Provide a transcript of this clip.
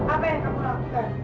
apa yang kamu lakukan